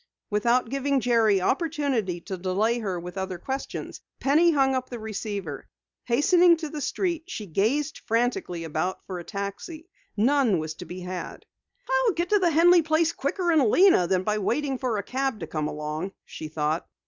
Without giving Jerry opportunity to delay her with other questions, Penny hung up the receiver. Hastening to the street, she gazed frantically about for a taxi. None was to be had. "I'll get to the Henley place quicker in Lena than by waiting for a cab to come along," she thought.